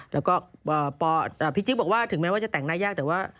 แล้วก็พี่จิ๊กบอกว่าถึงแม้ว่าจะแต่งหน้ายากแต่ว่า